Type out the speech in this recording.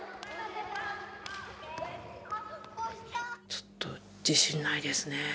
ちょっと自信ないですねえ。